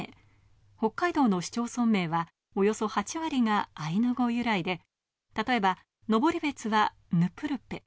北海道の市町村名はおよそ８割がアイヌ語由来で、例えば登別はヌプルペッ。